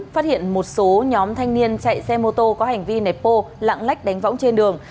phát hiện một số nhóm thanh niên chạy xe mô tô có hành vi nẹp ô lãng lách đánh võng trên đường